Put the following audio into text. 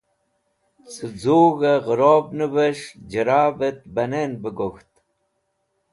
Cẽ z̃ug̃hẽ ghẽrobnẽvẽs̃h j̃rabet banẽn bẽ gok̃ht.